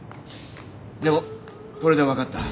でもこれで分かった